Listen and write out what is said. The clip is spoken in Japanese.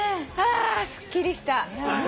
あすっきりした。